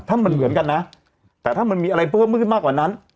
ถ้ามันเหมือนกันนะแต่ถ้ามันมีอะไรเพิ่มขึ้นมากกว่านั้น